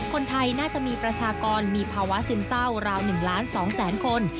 คนไทยน่าจะมีประชากรมีภาวะซึมเศร้าราว๑ล้าน๒แสนคน